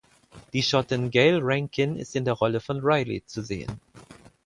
Die Schottin Gayle Rankin ist in der Rolle von Riley zu sehen.